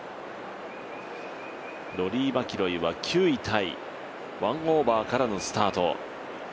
ロリー・マキロイは９位タイ、１オーバーからのスタート。